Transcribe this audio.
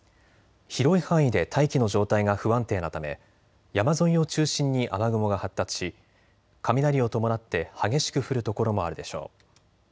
広い範囲で大気の状態が不安定なため山沿いを中心に雨雲が発達し雷を伴って激しく降る所もあるでしょう。